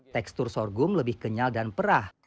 tekstur sorghum lebih kenyal dan perah